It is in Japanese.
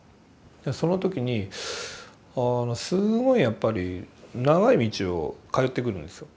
その時にすごいやっぱり長い道を通ってくるんですよ。